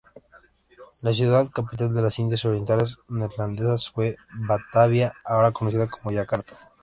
La ciudad capital de las Indias Orientales Neerlandesas fue Batavia, ahora conocida como Yakarta.